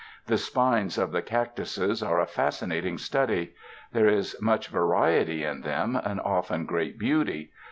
The spines of the cac tuses are a fascinating study. There is much va riety in them, and often great beauty.